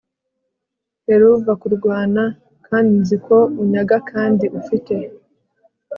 helluva kurwana, kandi nzi ko unyanga kandi ufite